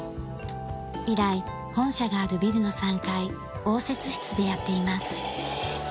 以来本社があるビルの３階応接室でやっています。